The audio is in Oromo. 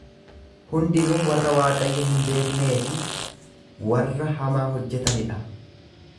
Hundinuu warra Waaqayyo hin beeknee fi warra hamaa hojjetani dha.